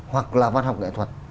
hoặc là văn học nghệ thuật